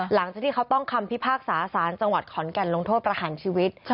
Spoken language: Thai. หลังจากที่เขาต้องคำพิพากษาสารจังหวัดขอนแก่นลงโทษประหารชีวิต